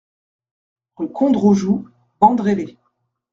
RUE KONDROJOU, Bandrélé